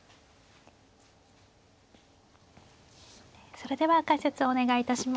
それでは解説お願いいたします。